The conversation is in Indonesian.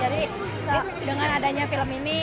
jadi dengan adanya film ini